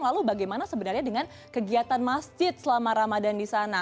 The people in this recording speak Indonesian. lalu bagaimana sebenarnya dengan kegiatan masjid selama ramadan di sana